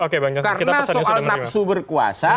karena soal nafsu berkuasa